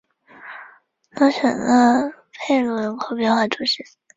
罗什勒佩鲁人口变化图示